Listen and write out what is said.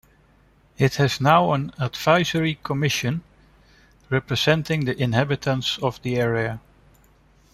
It has now an advisory commission representing the inhabitants of the area.